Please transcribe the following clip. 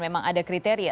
memang ada kriteria